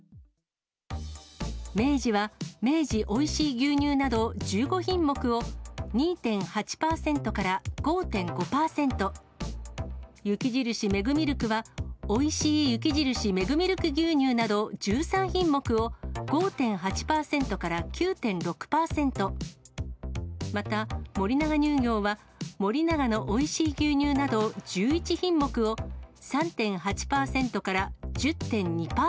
明治は、明治おいしい牛乳など１５品目を、２．８％から５．５％、雪印メグミルクは、おいしい雪印メグミルク牛乳など１３品目を５．８％から９．６％、また、森永乳業は、森永のおいしい牛乳など、１１品目を３．８％から１０．２％。